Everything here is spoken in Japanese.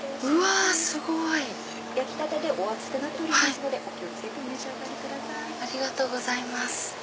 ありがとうございます。